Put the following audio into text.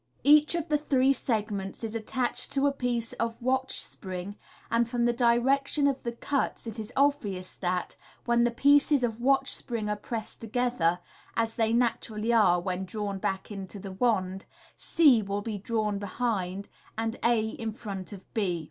Each of the three segments is attached to a piece of watch spring, and from the direc tion of the cuts it is obvious that, when these pieces of watch spring are pressed together (as they naturally are when drawn back into the wand), c will be drawn behind, and a in front of b.